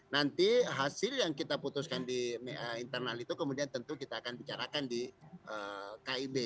nanti hasil yang kita putuskan di internal itu kemudian tentu kita akan bicarakan di kib